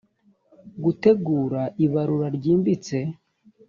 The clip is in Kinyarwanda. gutegura ibarura ryimbitse